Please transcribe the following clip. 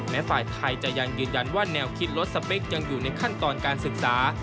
แม้ฝ่ายไทยจะยังยืนยันว่าแนวคิดรถสเปคยังอยู่ในขั้นตอนการศึกษา